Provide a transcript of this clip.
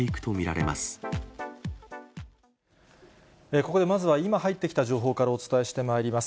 ここでまずは、今入ってきた情報からお伝えしてまいります。